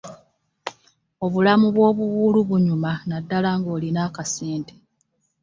Obulamu bw'obuwuulu bunyuma naddala ng'olina akassente